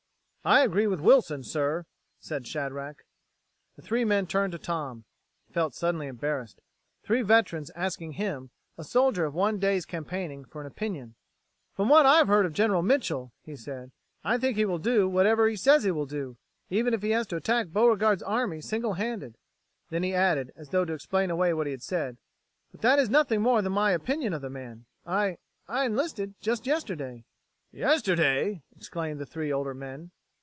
"I agree with Wilson, sir," said Shadrack. The three men turned to Tom. He felt suddenly embarrassed. Three veterans asking him, a soldier of one day's campaigning, for an opinion! "From what I've heard of General Mitchel," he said, "I think he will do whatever he says he will do even if he has to attack Beauregard's army single handed." Then he added, as though to explain away what he had said: "But that is nothing more than my opinion of the man. I ... I enlisted just yesterday." "Yesterday!" exclaimed the three older men.